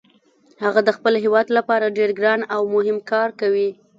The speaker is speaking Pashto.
هغه د خپل هیواد لپاره ډیر ګران او مهم کار کوي